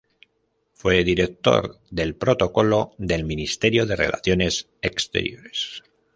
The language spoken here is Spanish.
Fue director del Protocolo del Ministerio de Relaciones Exteriores.